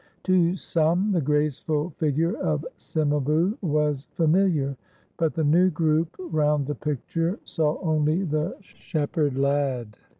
To some the graceful figure of Cimabue was familiar, but the new group round the picture saw only the shepherd lad.